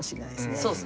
そうですね